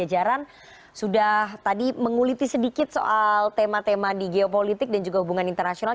jajaran sudah tadi menguliti sedikit soal tema tema di geopolitik dan juga hubungan internasional